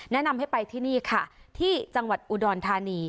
แนะนำให้ไปที่นี่ค่ะที่จังหวัดอุดรธานี